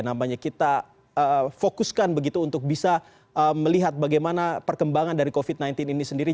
namanya kita fokuskan begitu untuk bisa melihat bagaimana perkembangan dari covid sembilan belas ini sendiri